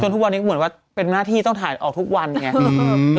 ทุกวันนี้เหมือนว่าเป็นหน้าที่ต้องถ่ายออกทุกวันไง